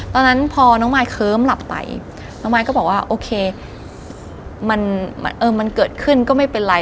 ตอนนั้นพอน้องมายเคิ้มหลับไปน้องมายก็บอกว่าโอเคมันเกิดขึ้นก็ไม่เป็นไร